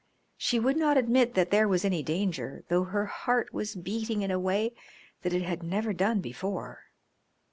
She would not admit that there was any danger, though her heart was beating in a way that it had never done before.